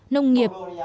nông nghiệp và công nghệ